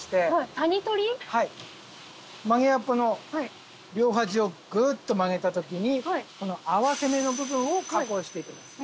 はい曲げわっぱの両端をグっと曲げた時にこの合わせ目の部分を加工して行きます。